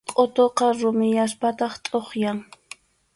Qʼutuqa rumiyaspataq tʼuqyan.